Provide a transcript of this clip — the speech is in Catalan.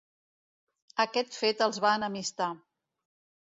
Aquest fet els va enemistar.